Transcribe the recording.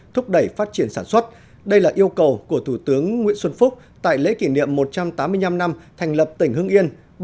thúc đẩy phát triển sản xuất đây là yêu cầu của thủ tướng nguyễn xuân phúc tại lễ kỷ niệm một trăm tám mươi năm năm thành lập tỉnh hưng yên